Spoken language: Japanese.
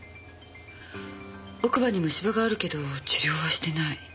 奥歯に虫歯があるけど治療はしてない。